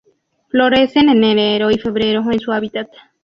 Florecen en enero y febrero en su hábitat.